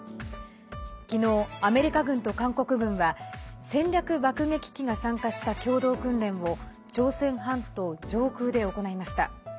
昨日、アメリカ軍と韓国軍は戦略爆撃機が参加した共同訓練を朝鮮半島上空で行いました。